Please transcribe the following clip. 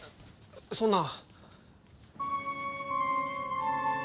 そんな。